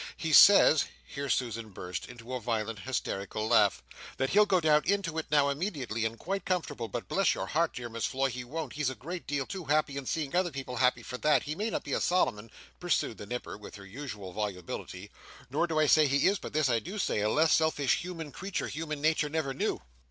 "He says," here Susan burst into a violent hysterical laugh, "that he'll go down into it now immediately and quite comfortable, but bless your heart my dear Miss Floy he won't, he's a great deal too happy in seeing other people happy for that, he may not be a Solomon," pursued the Nipper, with her usual volubility, "nor do I say he is but this I do say a less selfish human creature human nature never knew!"